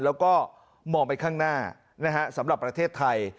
แล้วก็มองไปข้างหน้าสำหรับประเทศไทย